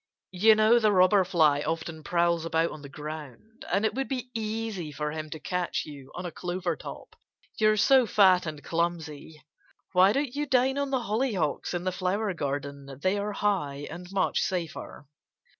"You know the Robber Fly often prowls about on the ground. And it would be easy for him to catch you on a clover top, you're so fat and clumsy.... Why don't you dine on the hollyhocks in the flower garden? They are high, and much safer."